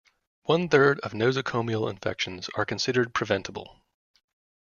One-third of nosocomial infections are considered preventable.